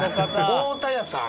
「太田屋」さん。